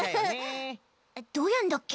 どうやんだっけ？